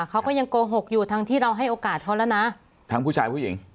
เขาก็ยังโกหกอยู่ทั้งที่เราให้โอกาสเขาแล้วนะทั้งผู้ชายผู้หญิง